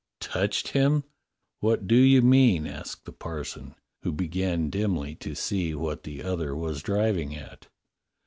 ''Touched him? What do you mean?" asked the parson, who began dimly to see what the other was driving at.